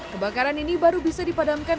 kebakaran ini baru bisa dipadamkan